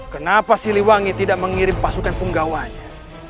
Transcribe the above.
kenapa siliwangi tidak mengirim pasukan punggawanya